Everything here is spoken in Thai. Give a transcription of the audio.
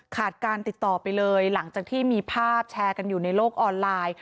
การติดต่อไปเลยหลังจากที่มีภาพแชร์กันอยู่ในโลกออนไลน์